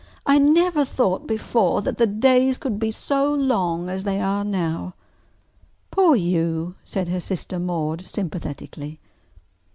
"I never thought before that the days could be so long as they are now." "Poor you!" said her sister Maude sympathetically.